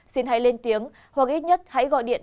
xin hãy lên tiếng hoặc ít nhất hãy gọi điện